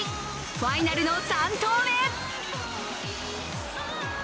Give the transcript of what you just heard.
ファイナルの３投目。